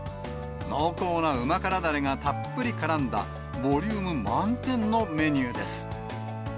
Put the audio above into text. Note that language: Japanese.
濃厚なうま辛だれがたっぷりからんだボリューム満点のメニューです。